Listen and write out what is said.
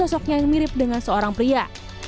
karena sosoknya yang mirip dengan seorang pria